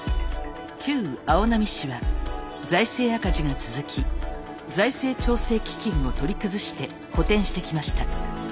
旧青波市は財政赤字が続き財政調整基金を取り崩して補填してきました。